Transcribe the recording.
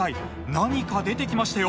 何か出てきましたよ。